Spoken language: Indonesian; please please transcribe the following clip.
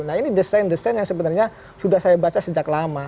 nah ini desain desain yang sebenarnya sudah saya baca sejak lama